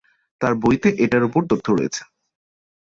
তার বইতে এটার ওপর তথ্য রয়েছে।